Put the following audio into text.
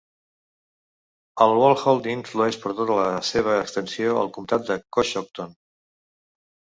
El Walhonding flueix per tota la seva extensió al comtat de Coshocton.